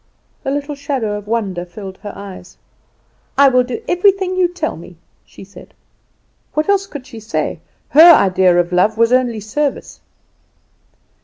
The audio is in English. A little shade of wonder filled her eyes. "I will do everything you tell me," she said. "What else could she say? Her idea of love was only service.